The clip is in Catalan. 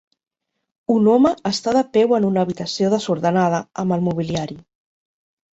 Un home està de peu en una habitació desordenada amb el mobiliari.